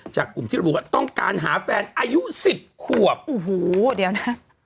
จากกลุ่มที่ระบุว่าต้องการหาแฟนอายุสิบขวบโอ้โหเดี๋ยวนะ